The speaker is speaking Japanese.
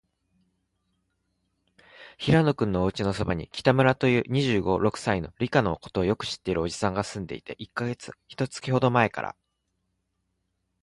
平野君のおうちのそばに、北村という、二十五、六歳の、理科のことをよく知っているおじさんがすんでいて、一月ほどまえから、